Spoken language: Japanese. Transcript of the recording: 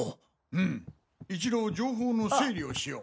うむ一度情報の整理をしよう。